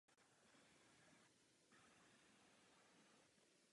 Zabývá se především portréty hudebníků.